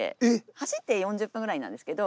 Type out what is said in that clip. ⁉走って４０分ぐらいなんですけど。